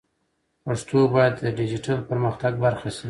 پښتو باید د ډیجیټل پرمختګ برخه شي.